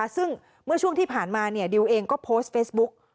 ซึ่งเมื่อช่วงที่ผ่านมาดิวเองก็โพสต์เฟซบุ๊ก